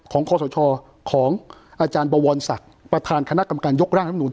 คอสชของอาจารย์บวรศักดิ์ประธานคณะกรรมการยกร่างรัฐมนุน